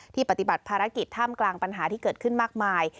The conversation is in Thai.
ปฏิบัติภารกิจท่ามกลางปัญหาที่เกิดขึ้นมากมาย